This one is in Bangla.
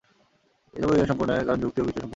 তবুও ইহা সম্পূর্ণ নয়, কারণ যুক্তি ও বিচার সম্পূর্ণ নয়।